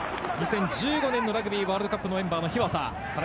２０１５年のラグビーワールドカップのメンバーの日和佐。